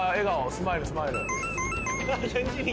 スマイルスマイル」